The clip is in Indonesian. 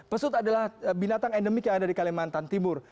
pesut adalah binatang endemik yang ada di kalimantan timur